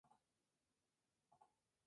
Ha sido y titular de varios ministerios.